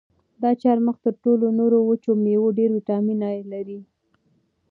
دا چهارمغز تر ټولو نورو وچو مېوو ډېر ویټامین ای لري.